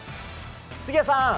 杉谷さん